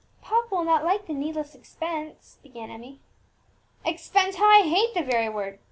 "Papa will not like the needless expense," began Emmie. "Expense! how I hate the very word!